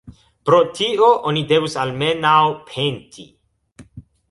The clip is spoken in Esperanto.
Pro tio oni devus almenaŭ penti.